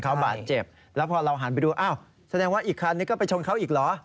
เขาบาดเจ็บแล้วพอเราหันไปดูอ้าวแสดงว่าอีกคันนี้ก็ไปชนเขาอีกเหรอ